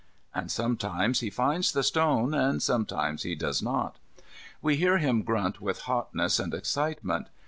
and sometimes he finds the stone, and sometimes he does not. We hear him grunt with hotness and excitement.